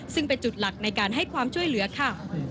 ซึ่งเป็นจุดหลักในการให้ความช่วยเหลือค่ะ